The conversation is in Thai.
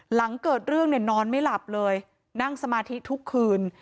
หลังเกิดเรื่องเนี่ยนอนไม่หลับเลยนั่งสมาธิทุกคืน